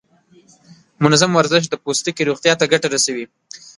منظم ورزش د پوستکي روغتیا ته ګټه رسوي.